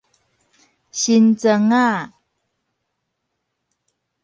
新庄仔